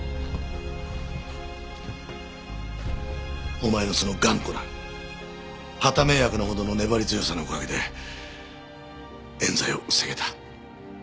お前のその頑固なはた迷惑なほどの粘り強さのおかげで冤罪を防げた。